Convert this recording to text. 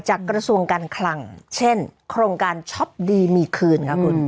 จากกระทรวงการคลังเช่นโครงการช็อปดีมีคืน